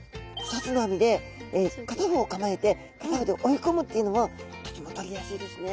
２つの網で片方を構えて片方で追いこむっていうのもとてもとりやすいですね。